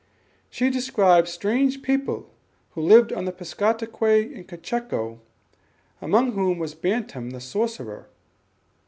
She described strange people who lived on the Piscataqua and Cocheco, among whom was Bantam the sorcerer.